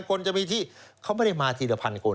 คนจะมีที่เขาไม่ได้มาทีละพันคน